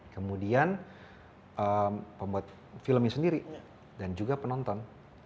kemudian pembuat filmnya sendiri dan juga penonton